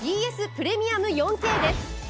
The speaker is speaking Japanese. プレミアム４Ｋです。